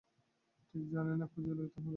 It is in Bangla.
ঠিক জানে না, খুঁজিয়া লইতে হইবে।